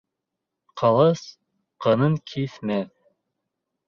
Ҡылыс ҡынын киҫмәҫ.